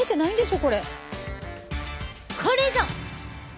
これぞ！